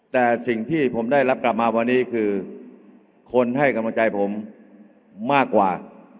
แต่สิ่งที่ผมได้รับกลับมาวันนี้คือคนให้กำลังใจผมมากกว่า